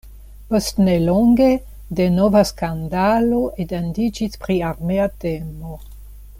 Post nelonge denova skandalo etendiĝis pri armea temo.